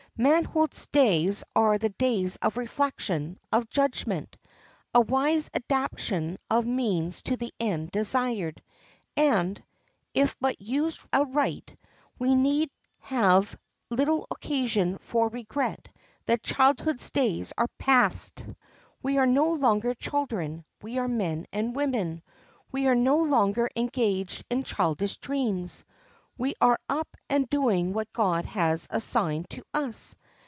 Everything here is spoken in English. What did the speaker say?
Manhood's days are the days of reflection, of judgment, a wise adaptation of means to the end desired, and, if but used aright, we need have little occasion for regret that childhood's days are passed. We are no longer children; we are men and women. We are no longer engaged in childish dreams; we are up and doing what God has assigned to us.